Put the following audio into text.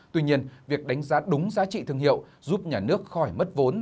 tuy nhiên việc đánh giá đúng giá trị thương hiệu giúp nhà nước khỏi mất vốn